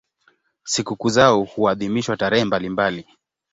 Sikukuu zao huadhimishwa tarehe mbalimbali.